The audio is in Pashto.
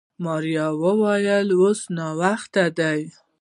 ماريا وويل اوس ناوخته دی.